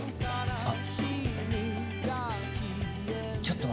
あっ。